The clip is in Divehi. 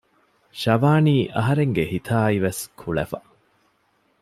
ޝާވަނީ އަހަރެންގެ ހިތާއިވެސް ކުޅެފަ